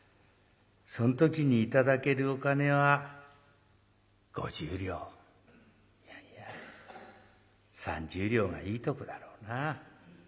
そん時に頂けるお金は５０両いやいや３０両がいいとこだろうな。